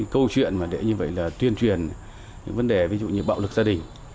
câu chuyện để như vậy là tuyên truyền những vấn đề ví dụ như bạo lực gia đình